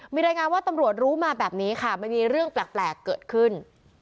มีรายงานว่าตำรวจรู้มาแบบนี้ค่ะมันมีเรื่องแปลกเกิดขึ้น